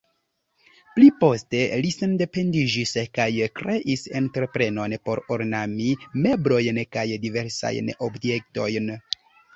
Pli poste li sendependiĝis kaj kreis entreprenon por ornami meblojn kaj diversajn objektojn.